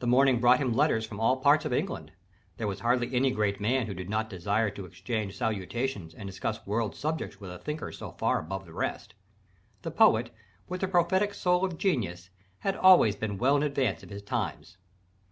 The morning brought him letters from all parts of England: there was hardly any great man who did not desire to exchange salutations and discuss world subjects with a thinker so far above the rest. The poet, with the prophetic soul of genius, had always been well in advance of his times.